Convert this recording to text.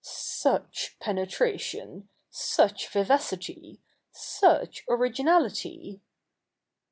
' Such penetration ! such vivacity I such originahty